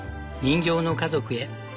人形の家族へ。